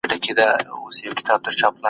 د باور قانون پرمختګ راولي.